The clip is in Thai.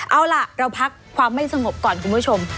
เอาล่ะเราพักความไม่สงบก่อนคุณผู้ชม